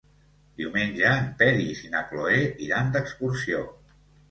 Diumenge en Peris i na Cloè iran d'excursió.